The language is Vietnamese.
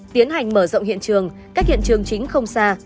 tiến hành mở rộng hiện trường cách hiện trường chính không xa